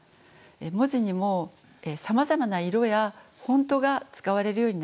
文字にもさまざまな色やフォントが使われるようになりました。